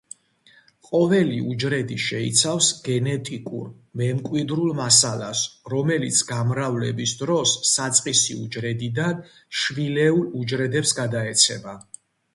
ყოველი უჯრედი შეიცავს გენეტიკურ , მემკვიდრულ მასალას, რომელიც გამრავლების დროს საწყისი უჯრედიდან შვილეულ უჯრედებს გადაეცემა.